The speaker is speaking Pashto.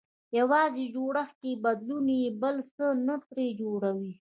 يوازې جوړښت کې بدلون يې بل څه نه ترې جوړوي.